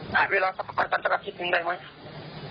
แต่เวลาพระอาจารย์จะรับคิดหนึ่งได้ไหมครับ